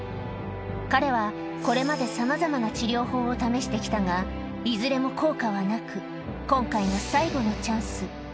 彼はこれまでさまざまな治療法を試してきたが、いずれも効果はなく、今回が最後のチャンス。